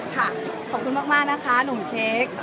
ขอบคุณมากนะคะหนุ่มเช็ค